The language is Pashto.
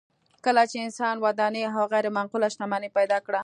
کله چې انسانانو ودانۍ او غیر منقوله شتمني پیدا کړه